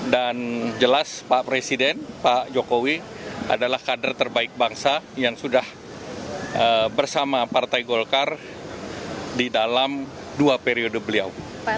dan jelas pak presiden pak jokowi adalah kader terbaik bangsa yang sudah bersama partai golkar di dalam dua periode beliau